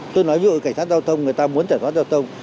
tôi nói ví dụ cảnh sát giao thông người ta muốn thẩm pháp giao thông